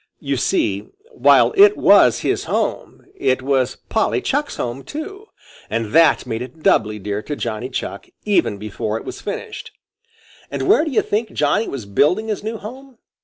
You see, while it was his home, it was Polly Chuck's home, too, and that made it doubly dear to Johnny Chuck, even before it was finished. And where do you think Johnny was building his new home?